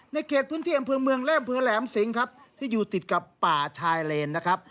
ในเขตพื้นเที่ยงเผือเมืองเล่มเผือแหลมสิงครับที่อยู่ติดกับป่าชายเลนนะครับ